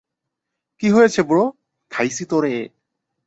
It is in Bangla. কী হয়েছে ব্রো - খাইছি তোরে।